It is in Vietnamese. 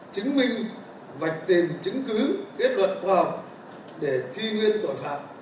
chứng minh vạch tìm chứng cứ kết luận khoa học để truy nguyên tội phạm